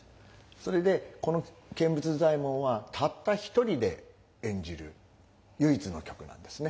それでこの「見物左衛門」はたった一人で演じる唯一の曲なんですね。